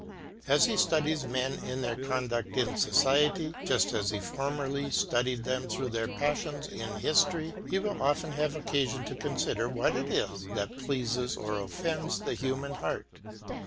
As he studies men in their conduct in society, just as he formerly studied them through their passions in history, he will often have occasion to consider what it is that pleases or offends the human heart.